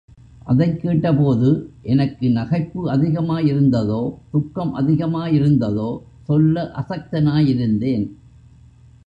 அதைக் கேட்டபோது, எனக்கு நகைப்பு அதிகமாயிருந்ததோ துக்கம் அதிகமாயிருந்ததோ சொல்ல அசக்தனாயிருந்தேன்!